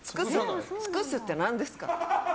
尽くすって何ですか？